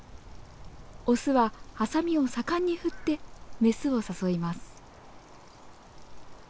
オスはハサミを盛んに振ってメスを誘います。